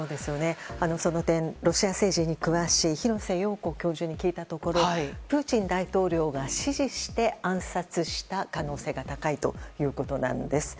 その点、ロシア政治に詳しい廣瀬陽子教授に聞いたところプーチン大統領が指示して暗殺した可能性が高いということなんです。